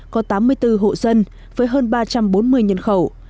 có tám mươi bốn hộ dân với hơn ba trăm bốn mươi nhân khẩu